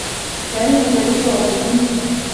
كان المدرّس لطيفا جدّا.